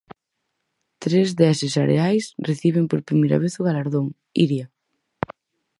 Tres deses areais reciben por primeira vez o galardón, Iria.